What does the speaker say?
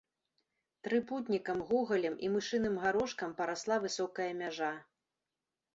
Трыпутнікам, гугалем і мышыным гарошкам парасла высокая мяжа.